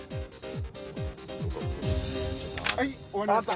はい終わりました。